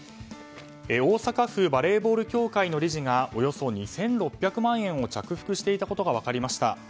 大阪府バレーボール協会の理事がおよそ２６００万円を着服していたことが分かりました。